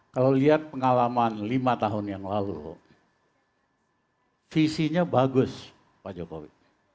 kalau lihat pengalaman lima tahun yang lalu visinya bagus pak jokowi